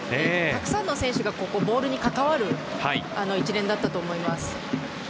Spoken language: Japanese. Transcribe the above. たくさんの選手がボールに関わる一連の動きだったと思います。